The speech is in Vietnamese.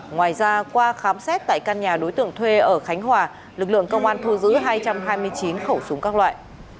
ngoài ra qua khám xét tại căn nhà đối tượng thuê ở khánh hòa lực lượng công an thu giữ hai trăm hai mươi chín khẩu súng các loại